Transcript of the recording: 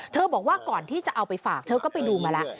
บอกว่าก่อนที่จะเอาไปฝากเธอก็ไปดูมาแล้ว